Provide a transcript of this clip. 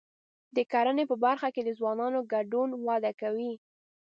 د کرنې په برخه کې د ځوانانو ګډون وده کوي.